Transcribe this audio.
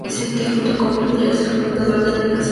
Junto con Bill Gates fue fundador de la empresa Microsoft.